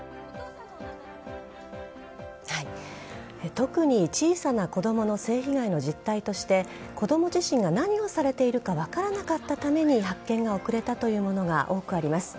特に小さな子供の性被害の実態として子供自身が何をされているか分からなかったために発見が遅れたというものが多くあります。